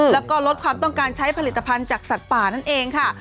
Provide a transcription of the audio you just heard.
แล้วก็ลดความต้องการใช้ผลิตภัณฑ์จากสัตว์ป่านั่นเองค่ะ